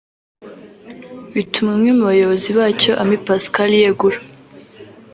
bituma umwe mu bayobozi bacyo Amy Pascal yegura